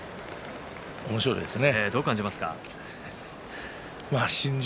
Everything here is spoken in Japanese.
おもしろいですね。